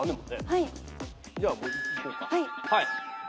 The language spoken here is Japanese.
はい。